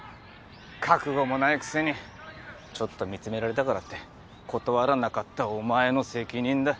覚悟もないくせにちょっと見つめられたからって断らなかったお前の責任だ。